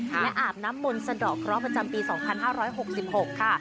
และอาบน้ำมนต์สะดอกเคราะห์ประจำปี๒๕๖๖ค่ะ